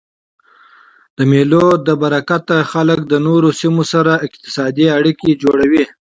د مېلو له برکته خلک له نورو سیمو سره اقتصادي اړیکي جوړوي.